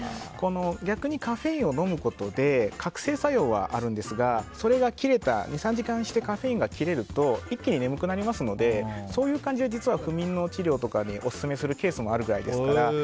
逆にカフェインを飲むことで覚醒作用はあるんですが２３時間してカフェインが切れると一気に眠くなりますのでそういう感じで実は不眠の治療とかにオススメするケースもあるくらいですから。